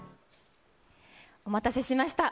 お待たせしました。